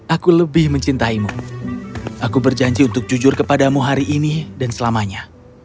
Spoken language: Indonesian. aku lebih mencintaimu aku berjanji untuk jujur kepadamu hari ini dan selamanya